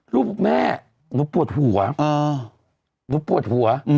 ลูกแม่หนูปวดหัว